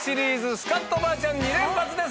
スカッとばあちゃん２連発です。